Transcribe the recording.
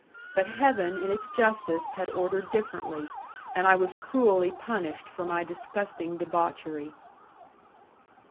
But Heaven in its justice had ordered differently, and I was cruelly punished for my disgusting debauchery.